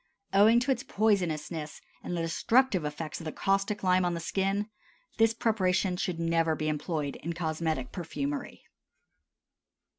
Owing to its poisonousness and the destructive effects of the caustic lime on the skin, this preparation should never be employed in cosmetic perfumery.